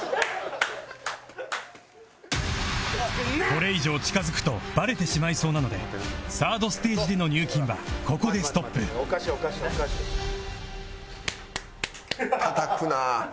これ以上近付くとバレてしまいそうなので ３ｒｄ ステージでの入金はここでストップたたくな。